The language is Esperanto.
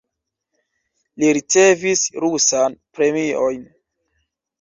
Li ricevis rusan premiojn.